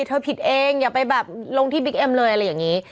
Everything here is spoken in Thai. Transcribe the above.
เธอผิดเองอย่าไปแบบลงที่บิ๊กเอ็มเลยอะไรอย่างนี้